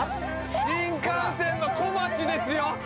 新幹線のこまちですよ。